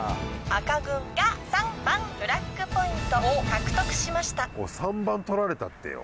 赤軍が３番フラッグポイントを獲得しました。